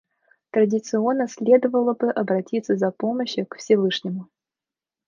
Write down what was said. Традиционно следовало бы обратиться за помощью к Всевышнему.